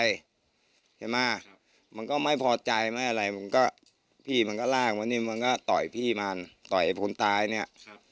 ใช่ไหมมันก็ไม่พอใจมันก็พี่มันก็ล่าขึ้นมานี่มันก็ต่อยพี่มันต่อยคนตายเนี่ย